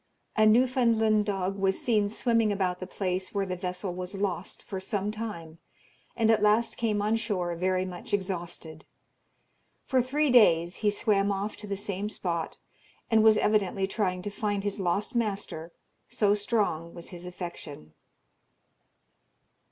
A Newfoundland dog was seen swimming about the place where the vessel was lost for some time, and at last came on shore very much exhausted. For three days he swam off to the same spot, and was evidently trying to find his lost master, so strong was his affection.